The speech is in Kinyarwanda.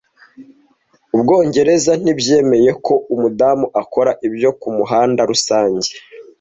Ubwongereza ntibyemewe ko umudamu akora ibyo kumuhanda rusange